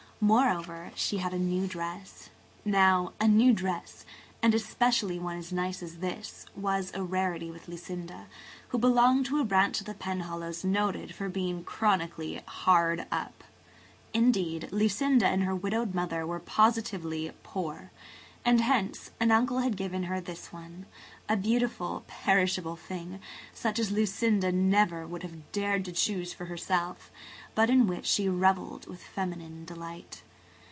Moreover, she had a new dress. Now, a new dress–and especially one as nice as this–was a rarity with Lucinda, who belonged to a branch of the Penhallows noted for being chronically hard up. Indeed, Lucinda and her widowed mother were positively poor, and hence a new dress was an event in Lucinda's existence. An uncle had given her this one–a beautiful, perishable thing, such as Lucinda would never have dared to choose for herself, but in which she revelled with feminine delight.